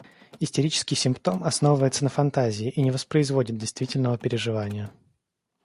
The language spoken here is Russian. Истерический симптом основывается на фантазии и не воспроизводит действительного переживания.